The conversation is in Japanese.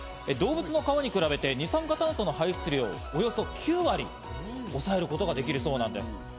動物の革に比べて二酸化炭素の排出量をおよそ９割抑えることができるそうなんです。